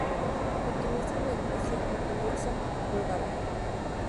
Pertenece a la Iglesia ortodoxa búlgara.